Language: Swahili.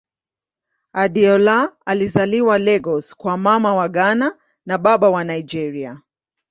Adeola alizaliwa Lagos kwa Mama wa Ghana na Baba wa Nigeria.